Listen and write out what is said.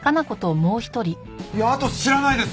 いやあとは知らないです。